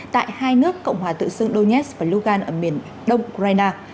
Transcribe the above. tại hai nước cộng hòa tự xưng donetsk và lugan ở miền đông ukraine